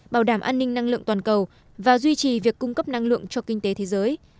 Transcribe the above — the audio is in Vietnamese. bảo đảm an ninh năng lượng toàn cầu và duy trì việc cung cấp năng lượng cho kinh tế thế giới